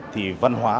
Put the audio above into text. thì văn hóa